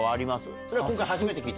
それは今回、初めて聞いた？